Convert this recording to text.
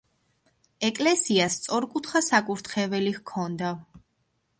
ეკლესიას სწორკუთხა საკურთხეველი ჰქონდა.